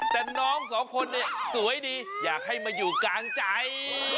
แต่น้องสองคนเนี่ยสวยดีอยากให้มาอยู่กลางใจ